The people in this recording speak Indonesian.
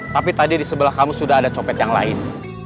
tapi tadi di sebelah kamu sudah ada copet yang lain